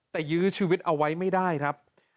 แต่ยื้อชีวิตเอาไว้ไม่ได้ครับ